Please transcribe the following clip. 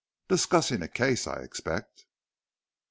Discussing a case, I expect."